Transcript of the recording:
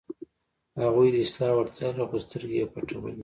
هغوی د اصلاح وړتیا لرله، خو سترګې یې پټولې.